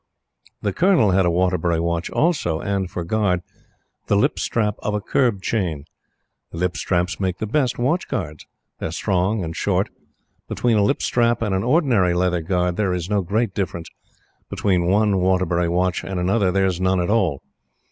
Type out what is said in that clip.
The Colonel had a Waterbury watch also, and for guard, the lip strap of a curb chain. Lip straps make the best watch guards. They are strong and short. Between a lip strap and an ordinary leather guard there is no great difference; between one Waterbury watch and another there is none at all.